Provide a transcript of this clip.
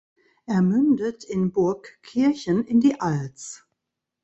Er mündet in Burgkirchen in die Alz.